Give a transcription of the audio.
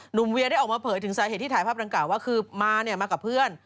เวียได้ออกมาเผยถึงสาเหตุที่ถ่ายภาพดังกล่าวว่าคือมาเนี่ยมากับเพื่อน